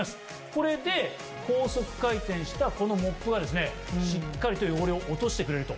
これで高速回転したこのモップがですねしっかりと汚れを落としてくれると。